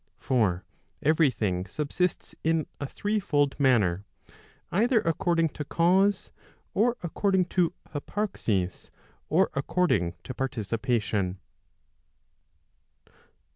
For every thing subsists in a threefold manner, either according to cause, or according to hvparxis, or according to participation.